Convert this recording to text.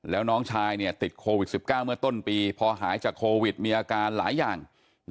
แล้วน้องชายติดโควิด๑๙เมื่อต้นปีพอหายจากโควิดมีอาการหลายอย่าง